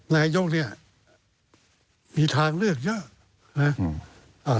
ในโยงนี้มีทางเลือกเยอะ